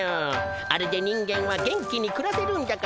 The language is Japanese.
あれで人間は元気にくらせるんだからな。